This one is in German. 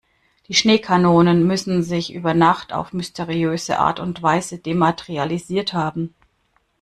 Die Schneekanonen müssen sich über Nacht auf mysteriöse Art und Weise dematerialisiert haben.